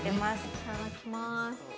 ◆いただきます。